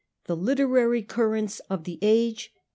THE LITERARY CURRENTS OF THE AGE.